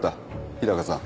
日高さん